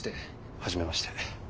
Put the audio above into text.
初めまして。